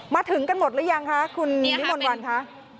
มาถึงกันหมดหรือยังคะคุณวิมนต์วันคะ